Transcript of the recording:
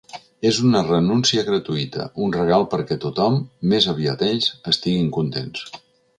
És una renúncia gratuïta, un regal perquè tothom, més aviat ells, estiguin contents.